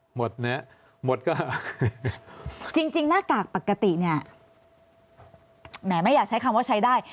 หมดเนี่ยหมดก็จริงหน้ากากปกติเนี่ยแหมไม่อยากใช้คำว่าใช้ได้